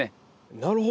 なるほど。